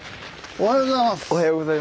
おはようございます。